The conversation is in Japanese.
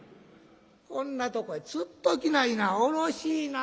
こんなとこへつっときないな下ろしいな」。